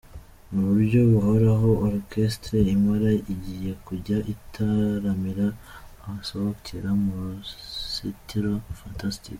Mu buryo buhoraho, Orchestre Impala igiye kujya itaramira abasohokera muri Resitora Fantastic .